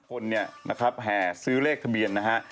คนเนี่ยนะครับแห่ซื้อเลขทะเบียนนะฮะ